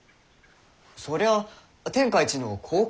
そりゃあ天下一の孝行